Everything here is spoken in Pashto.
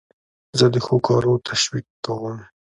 زه د ښو کارو تشویق کوم.